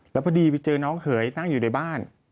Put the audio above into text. แล้วพอดีไปเจอน้องเขยนั่งอยู่ในบ้าน